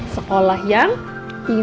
sekolah yang pinter